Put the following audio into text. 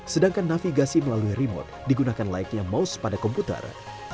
sedangkan navigasi melalui remote digunakan layaknya mose pada komputer